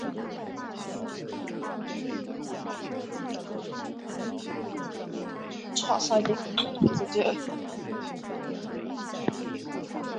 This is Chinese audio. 同时播出部分参赛者与监制黄慧君之对谈。